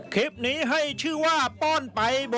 คลิปนี้ให้ชื่อว่าป๊อบวับเฟม